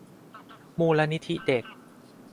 มูลนิธิเด็ก